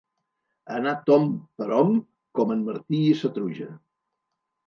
Anar tomb per hom com en Martí i sa truja.